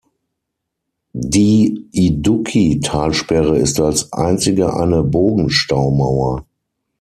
Die Idukki-Talsperre ist als einzige eine Bogenstaumauer.